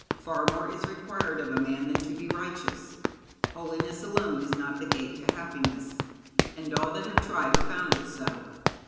Far more is required of a man than to be righteous. Holiness alone is not the gate to happiness, and all that have tried have found it so.